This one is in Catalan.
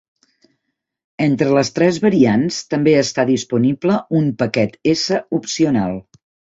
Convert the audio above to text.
Entre les tres variants, també està disponible un paquet S opcional.